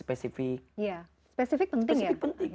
ya spesifik penting ya